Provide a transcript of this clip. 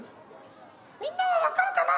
「みんなは分かるかな？